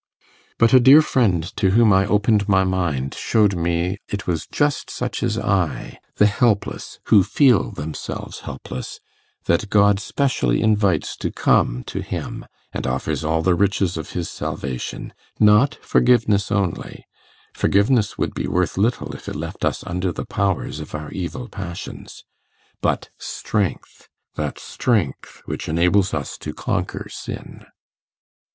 But a dear friend to whom I opened my mind showed me it was just such as I the helpless who feel themselves helpless that God specially invites to come to Him, and offers all the riches of His salvation: not forgiveness only; forgiveness would be worth little if it left us under the powers of our evil passions; but strength that strength which enables us to conquer sin.